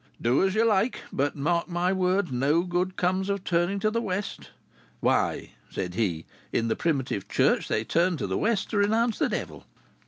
"Do as you like; but mark my words, no good comes of turning to the west. Why," said he, "in the primitive church they turned to the west to renounce the Devil."